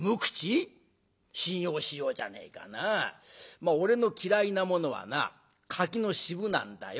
まあ俺の嫌いなものはな柿の渋なんだよ。